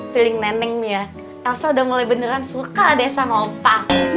piling neneknya alsa udah mulai beneran suka deh sama pa